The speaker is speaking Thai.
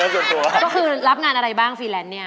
ก็คือรับงานอะไรบ้างฟรีแลนซ์เนี่ย